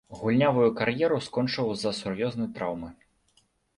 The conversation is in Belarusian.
Гульнявую кар'еру скончыў з-за сур'ёзнай траўмы.